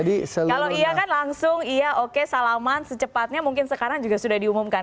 kalau iya kan langsung iya oke salaman secepatnya mungkin sekarang juga sudah diumumkan